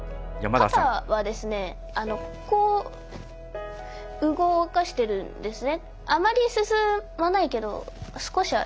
肩はこう動かしているんですね。